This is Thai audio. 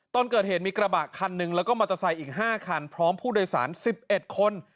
ตอนเกิดเหตุมีกระบะคันหนึ่งแล้วก็มอเตอร์ไซค์อีก๕คันพร้อมผู้โดยสาร๑๑คน